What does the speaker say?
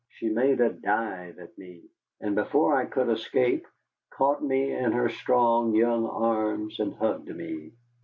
She made a dive at me, and before I could escape caught me in her strong young arms and hugged me.